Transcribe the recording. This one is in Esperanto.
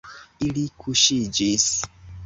Ili kuŝiĝis.